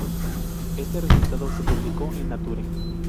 Este resultado se publicó en Nature.